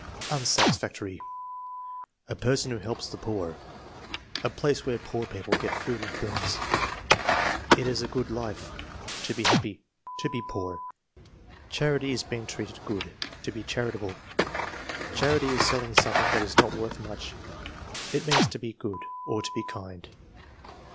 Unsatisfactory. "A person who helps the poor." "A place where poor people get food and things." "It is a good life." "To be happy." "To be poor." "Charity is being treated good." "It is to be charitable." "Charity is selling something that is not worth much." "It means to be good" or "to be kind."